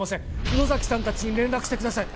「野崎さんたちに連絡してください」